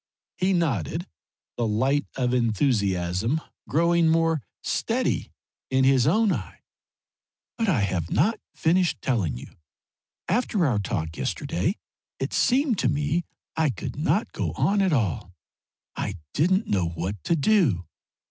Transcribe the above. He nodded, the light of enthusiasm growing more steady in his own eye. "But I have not finished telling you. After our talk yesterday it seemed to me I could not go on at all. I didn't know what to do.